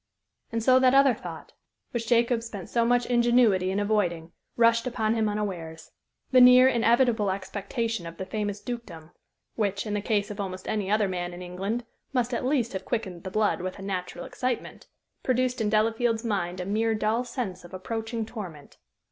And so that other thought, which Jacob spent so much ingenuity in avoiding, rushed upon him unawares. The near, inevitable expectation of the famous dukedom, which, in the case of almost any other man in England, must at least have quickened the blood with a natural excitement, produced in Delafield's mind a mere dull sense of approaching torment.